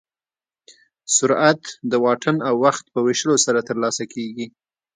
سرعت د واټن او وخت په ویشلو سره ترلاسه کېږي.